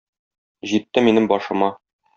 Җитте минем башыма.